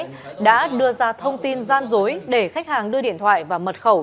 võ văn đường tỉnh quảng ngãi đã đưa ra thông tin gian dối để khách hàng đưa điện thoại và mật khẩu